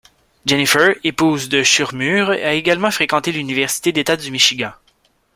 Jennifer, épouse de Shurmur, a également fréquenté l'Université d'État du Michigan.